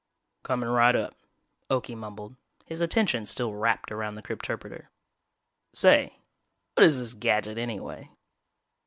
"Comin' right up," Okie mumbled, his attention still wrapped around the crypterpreter. "Say, what is this gadget anyway?"